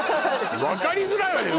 分かりづらいわよ